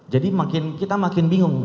jadi kita makin bingung